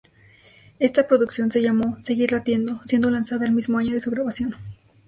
Esta producción se llamó ""Seguir latiendo"", siendo lanzada el mismo año de su grabación.